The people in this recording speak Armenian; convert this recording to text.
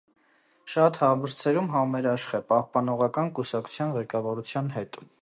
Շատ հարցերում համերաշխ է պահպանողական կուսակցության ղեկավարության հետ։